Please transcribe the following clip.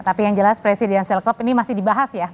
tapi yang jelas presidensial corp ini masih dibahas ya